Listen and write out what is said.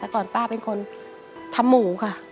ก่อนนี้ป้าเป็นคนธรรหมูค่ะ